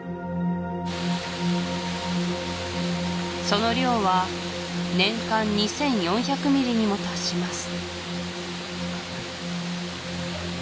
その量は年間２４００ｍｍにも達します